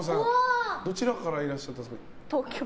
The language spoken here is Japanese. どちらからいらっしゃったんですか？